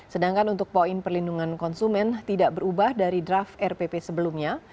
sedangkan untuk poin perlindungan konsumen tidak berubah dari draft rpp sebelumnya